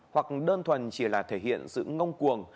hoặc đơn thuần chỉ là thể hiện sự ngông cuồng